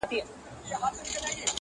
تبر ځکه زما سینې ته را رسیږي٫